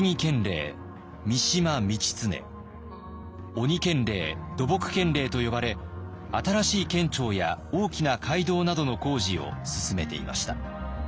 「鬼県令」「土木県令」と呼ばれ新しい県庁や大きな街道などの工事を進めていました。